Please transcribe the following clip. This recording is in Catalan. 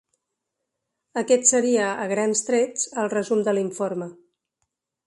Aquest seria, a grans trets, el resum de l’informe.